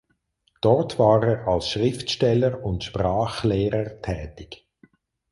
Dort war er als Schriftsteller und Sprachlehrer tätig.